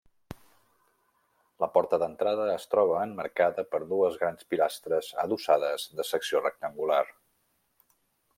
La porta d'entrada es troba emmarcada per dues grans pilastres adossades de secció rectangular.